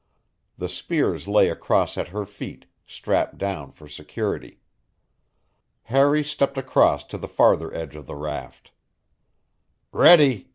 The spears lay across at her feet, strapped down for security. Harry stepped across to the farther edge of the raft. "Ready!"